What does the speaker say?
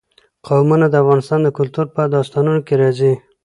قومونه د افغان کلتور په داستانونو کې راځي.